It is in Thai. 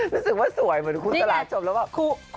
รู้สึกว่าสวยเหมือนครูสลาจบแล้วแบบ